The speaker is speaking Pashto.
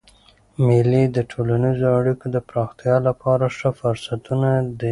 مېلې د ټولنیزو اړیکو د پراختیا له پاره ښه فرصتونه دي.